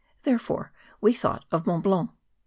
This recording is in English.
Therefore we thought of Mont Blanc.